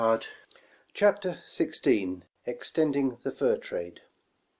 118 CHAPTER XVI. EXTENDING THE FUR TRADE.